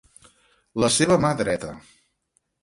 La seva mà dreta.